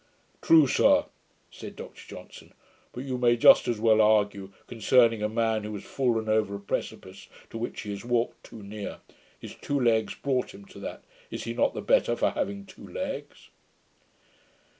'True, sir,' said Dr Johnson: 'but you may just as well argue, concerning a man who has fallen over a precipice to which he has walked too near, "His two legs brought him to that" is he not the better for having two legs?'